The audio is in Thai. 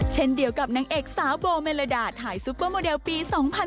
เช่นเดียวกับนางเอกสาวโบเมลดาถ่ายซุปเปอร์โมเดลปี๒๕๖๒